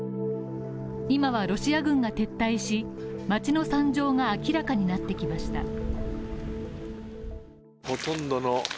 今はロシア軍が撤退し街の惨状が明らかになってきました。